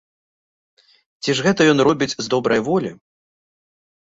Ці ж гэта ён робіць з добрае волі?